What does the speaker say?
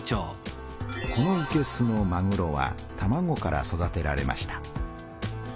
このいけすのまぐろはたまごから育てられました。